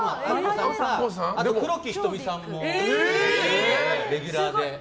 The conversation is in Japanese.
あと黒木瞳さんもレギュラーで。